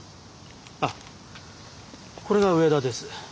あっこれが上田です。